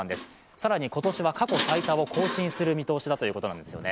更に今年は過去最多を更新する見通しだということなんです。